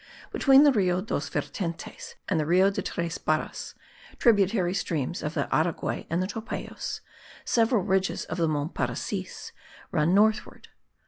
Between the Rio dos Vertentes and the Rio de Tres Barras (tributary streams of the Araguay and the Topayos) several ridges of the Monts Parecis run northward.